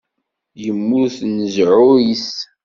Immut nnzuɛ-is.